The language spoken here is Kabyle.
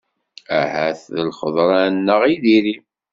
Ahat d lxeḍra-nneɣ i diri.